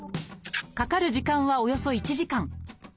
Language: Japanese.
かかる時間はおよそ１時間。